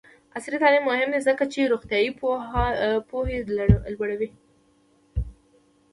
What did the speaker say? عصري تعلیم مهم دی ځکه چې روغتیایي پوهاوی لوړوي.